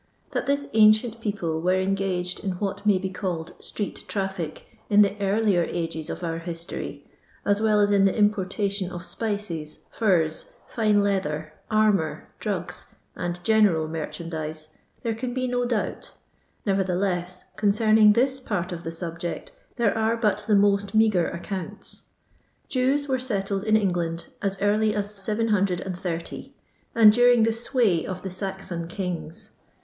That this ancient people were engaged in what may be called street traifie in the earlier ages of our history, as well as hi the importation of spices, fors, fine Isather, armour, drugs, and general merchandise, there can be no doubt ; nevertheless coDoeming this part of the subject there are but the most meagra accounts. Jews were settled in Engknd as early as 730, and during the away of the Saxon kings.